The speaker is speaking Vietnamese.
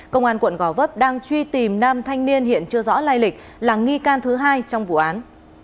công an quận gò vấp đang truy tìm nam thanh niên hiện chưa rõ lai lịch là nghi can thứ hai trong vụ án